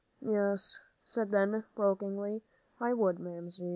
"Yes," said Ben, brokenly, "I would, Mamsie."